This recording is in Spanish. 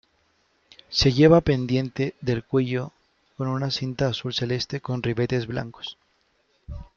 Se lleva pendiente del cuello con una cinta azul celeste con ribetes blancos.